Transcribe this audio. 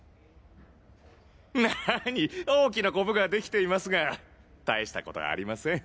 なに大きなコブができていますが大したことありません。